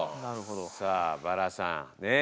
さあバラさんねえ。